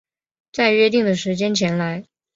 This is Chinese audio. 在约定的时间前来